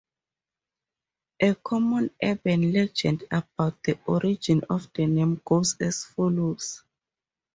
A common urban legend about the origin of the name goes as follows.